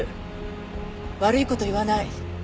悪い事言わない。